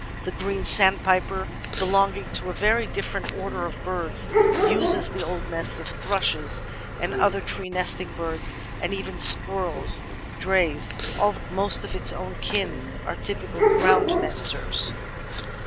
The Green Sandpiper, belonging to a very different order of birds, uses the old nests of thrushes and other tree nesting birds — and even squirrel's "dreys"! — ^although most of its own kin are typical ground nesters.